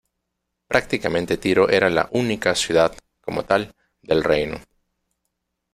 Prácticamente Tiro era la única ciudad, como tal, del reino.